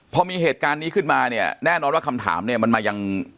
พอมีเหตุการณ์นี้ขึ้นมาเนี่ยแน่นอนว่าคำถามเนี่ยมันมายัง